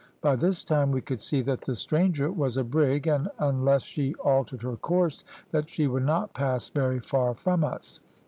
By this time we could see that the stranger was a brig, and unless she altered her course that she would not pass very far from us.